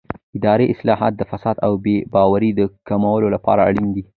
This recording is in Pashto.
اداري اصلاحات د فساد او بې باورۍ د کمولو لپاره اړین دي